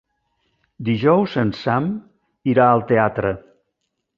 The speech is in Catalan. Dijous en Sam irà al teatre.